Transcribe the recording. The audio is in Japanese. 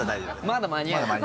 まだ間に合うかな。